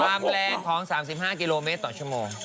ความแรงของ๓๕กิโลเมตรต่อชั่วโมง